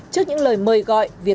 trước những lời mời gọi